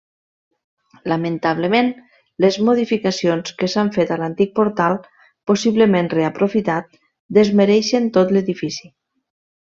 Lamentablement les modificacions que s'han fet a l'antic portal, possiblement reaprofitat, desmereixen tot l'edifici.